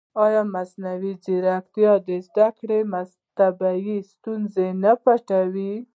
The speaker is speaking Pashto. ایا مصنوعي ځیرکتیا د زده کړې طبیعي ستونزې نه پټوي؟